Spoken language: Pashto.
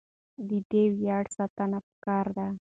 د دې ویاړ ساتنه پکار ده.